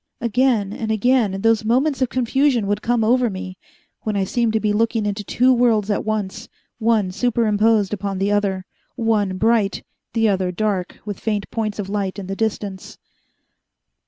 Again and again those moments of confusion would come over me, when I seemed to be looking into two worlds at once, one superimposed upon the other, one bright, the other dark with faint points of light in the distance.